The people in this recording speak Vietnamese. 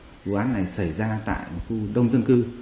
đây là một vụ án đặc biệt quan trọng vụ án này xảy ra tại một khu đông dân cư